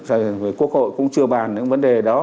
rồi quốc hội cũng chưa bàn những vấn đề đó